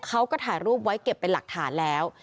เขาก็ถ่ายรูปไว้เก็บเป็นหลักฐานแล้ว